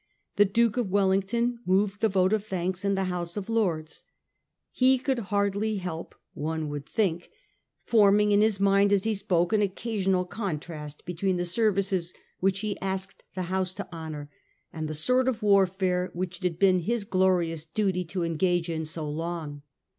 The Duke of Wellington moved the vote of thanks in the House of Lords. He could hardly help, one would think, 1843. TIIE COMPENSATION DISPUTE. 181 forming in Lis mind as Le spoke an occasional con trast between tbe services which he asked the House to honour, and the sort of warfare which it had been his glorious duty to engage in so long.